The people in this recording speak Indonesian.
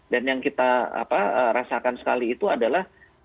dan yang kita rasakan sekali itu adalah